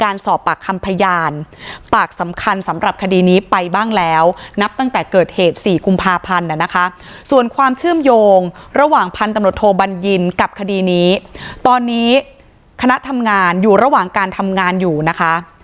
ระหว่างพันธุ์ตำหนดโทบัญญินกับคดีนี้ตอนนี้คณะทำงานอยู่ระหว่างการทำงานอยู่นะคะ